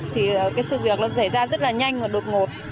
thì cái sự việc nó xảy ra rất là nhanh và đột ngột